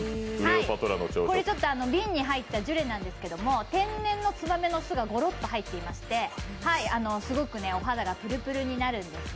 これ瓶に入ったジュレなんですけど天然のつばめの巣がごろっと入っていまして、すごくお肌がぷるぷるになるんですね。